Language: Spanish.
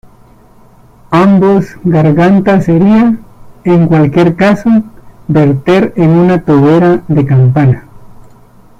Ambos gargantas sería, en cualquier caso, verter en una tobera de campana.